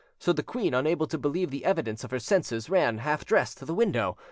So the queen, unable to believe the evidence of her senses, ran, half dressed, to the window.